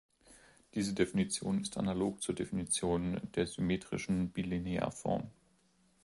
Diese Definition ist analog zur Definition der symmetrischen Bilinearform.